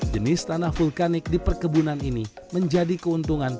jenis tanah vulkanik di perkebunan ini menjadi keuntungan